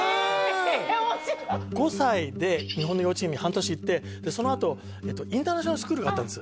ええ面白い５歳で日本の幼稚園に半年行ってそのあとインターナショナルスクールがあったんです